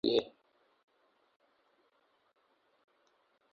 تیندوے کی تصدیق مختلف شکاریوں کو یہاں کھینچ سکتی ہے شکار کے لیے